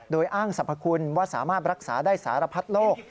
โดยอ้างสรรพคุณว่าสามารถรักษาได้สารพัดโรค